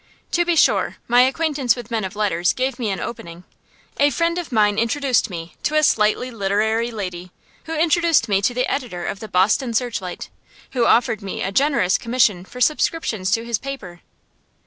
To be sure, my acquaintance with men of letters gave me an opening. A friend of mine introduced me to a slightly literary lady who introduced me to the editor of the "Boston Searchlight," who offered me a generous commission for subscriptions to his paper.